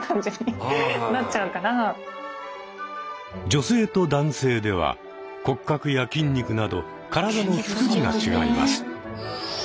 女性と男性では骨格や筋肉など体のつくりが違います。